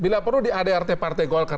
bila perlu di adrt partai golkar